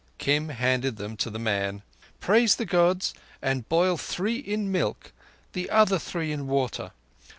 Kim handed them to the man. "Praise the Gods, and boil three in milk; other three in water.